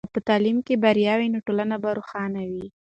که په تعلیم کې بریا وي، نو ټولنه به روښانه وي.